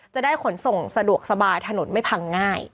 จะได้ขนส่งสะดวกสบายถนนไม่พังง่าย